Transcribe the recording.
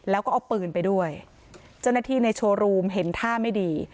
แล้วก็เอาปืนไปด้วยเจ้าหน้าที่ในโชว์รูมเห็นท่าไม่ดี